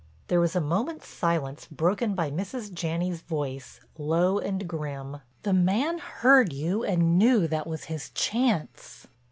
There was a moment's silence broken by Mrs. Janney's voice low and grim: "The man heard you and knew that was his chance."